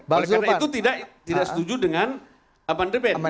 oleh karena itu tidak setuju dengan pandemi